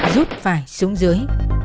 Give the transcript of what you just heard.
rút phải xuống dưới